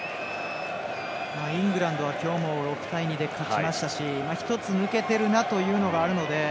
イングランドは今日も勝ちましたし１つ抜けているなというのがあるので。